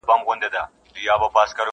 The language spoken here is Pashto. زموږ به کله د عمرونو رنځ دوا سي٫